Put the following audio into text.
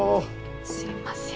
すいません。